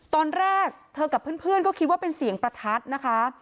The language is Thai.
ตอนแรกเธอกับเพื่อนก็คิดว่าเป็นเสียงประทัดนะคะ